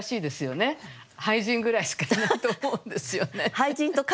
俳人ぐらいしかいないと思うんですよね。